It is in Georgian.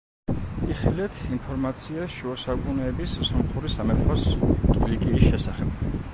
იხილეთ, ინფორმაცია შუა საუკუნეების სომხური სამეფოს კილიკიის შესახებ.